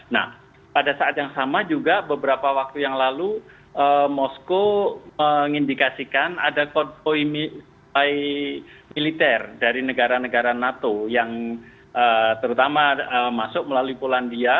nah pada saat yang sama juga beberapa waktu yang lalu moskow mengindikasikan ada konvoy militer dari negara negara nato yang terutama masuk melalui polandia